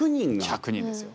１００人ですよ。